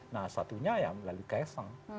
nah satunya ya melalui kaisang